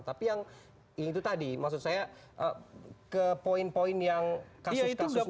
tapi yang itu tadi maksud saya ke poin poin yang kasus kasusnya itu tadi